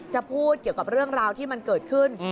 จะพูดเกี่ยวกับเรื่องราวที่มันเกิดขึ้น